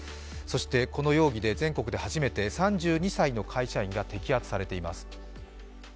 この容疑で全国で初めて３２歳の会社員が摘発されています。